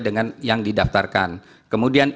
dengan yang didaftarkan kemudian